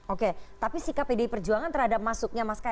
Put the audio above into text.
oke tapi sikap pd perjuangan terhadap masuknya mas kaisang